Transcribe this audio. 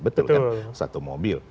betul kan satu mobil